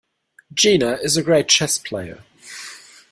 Gina is a great chess player.